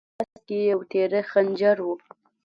د هغه کس په لاس کې یو تېره خنجر و